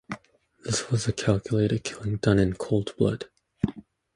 This was a calculated killing done in cold blood.